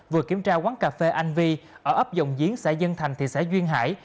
vừa kiểm tra quán cà phê anh vi ở ấp dòng giếng xã dân thành thị xã duyên hải